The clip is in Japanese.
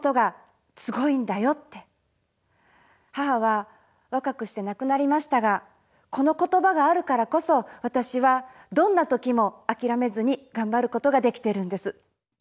母は若くしてなくなりましたがこの言葉があるからこそ私はどんなときもあきらめずにがんばることができてるんです。